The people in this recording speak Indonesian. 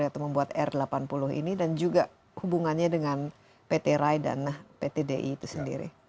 atau membuat r delapan puluh ini dan juga hubungannya dengan pt rai dan pt di itu sendiri